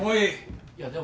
いやでも。